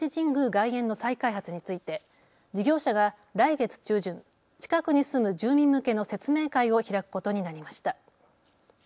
外苑の再開発について事業者が来月中旬、近くに住む住民向けの説明会を開くことになりました。